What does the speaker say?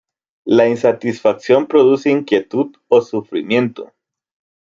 La insatisfacción produce inquietud o sufrimiento.